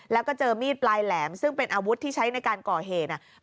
แล้วก็เจอมีดปลายแหลมซึ่งเป็นอาวุธที่ใช้ในการก่อเหตุ